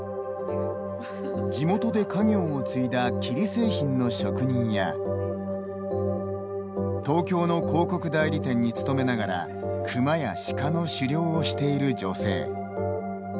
地元で家業を継いだ桐製品の職人や東京の広告代理店に勤めながらクマやシカの狩猟をしている女性。